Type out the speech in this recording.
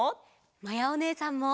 まやおねえさんも！